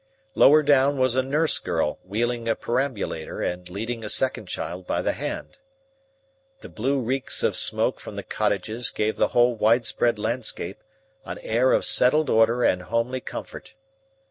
Lower down was a nurse girl wheeling a perambulator and leading a second child by the hand. The blue reeks of smoke from the cottages gave the whole widespread landscape an air of settled order and homely comfort.